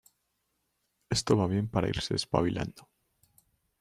Esto va bien para irse espabilando.